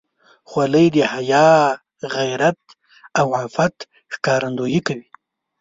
خولۍ د حیا، غیرت او عفت ښکارندویي کوي.